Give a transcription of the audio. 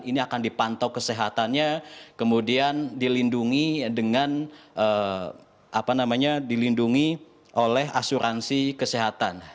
ini akan dipantau kesehatannya kemudian dilindungi dengan dilindungi oleh asuransi kesehatan